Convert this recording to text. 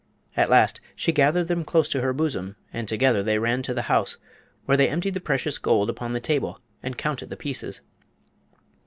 At last she gathered them close to her bosom and together they ran to the house, where they emptied the precious gold upon the table and counted the pieces.